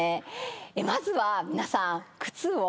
まずは皆さん靴を。